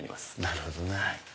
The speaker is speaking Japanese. なるほどね。